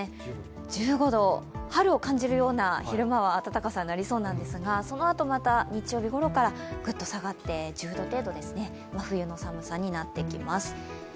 １５度、春を感じるような、昼間は暖かさになりそうなんですがそのあとまた日曜日ごろからグッと下がって１０度程度ですね、真冬の寒さになってきます。